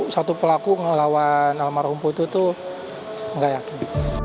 satu pelaku ngelawan almarhum put itu tuh nggak yakin